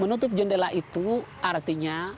menutup jendela itu artinya